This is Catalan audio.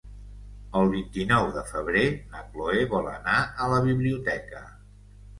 El vint-i-nou de febrer na Cloè vol anar a la biblioteca.